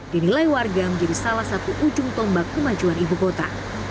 dinilai warga menjadi salah satu ujung tombak kemajuan ibu kota